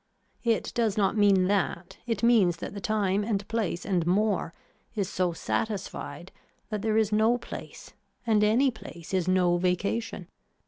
It does not mean that, it means that the time and place and more is so satisfied that there is no place, and any place is no vacation.